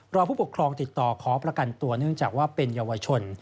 ผู้ปกครองติดต่อขอประกันตัวเนื่องจากว่าเป็นเยาวชน